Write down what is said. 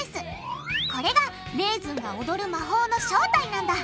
これがレーズンが踊る魔法の正体なんだ。